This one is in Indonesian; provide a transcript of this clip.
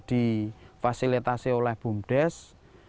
dipersilatasi oleh bumdes